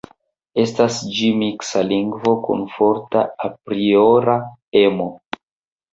Estas ĝi miksa lingvo kun forta apriora emo.